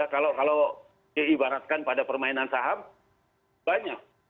kalau diibaratkan pada permainan saham banyak